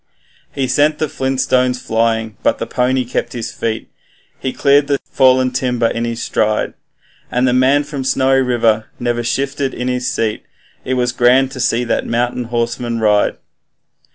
He sent the flint stones flying, but the pony kept his feet, He cleared the fallen timber in his stride, And the man from Snowy River never shifted in his seat It was grand to see that mountain horseman ride.